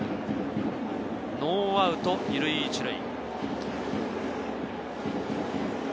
ノーアウト２塁１塁。